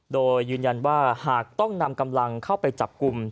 โดยยืนยันว่าหากต้องนำกำลังเข้าไปจับกลุ่ม